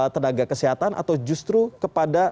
tenaga kesehatan atau justru kepada